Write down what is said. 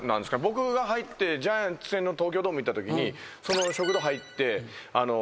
僕が入ってジャイアンツ戦の東京ドーム行ったときにその食堂入ってジュースをね。